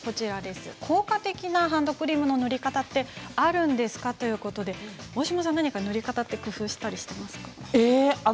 効果的なハンドクリームの塗り方ってあるんですか？ということで大島さんは何か塗り方を工夫したりしていますか？